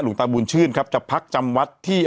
ตาบุญชื่นครับจะพักจำวัดที่